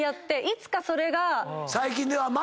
いつかそれが。